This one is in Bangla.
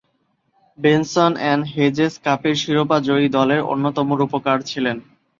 বেনসন এন্ড হেজেস কাপের শিরোপা জয়ী দলের অন্যতম রূপকার ছিলেন।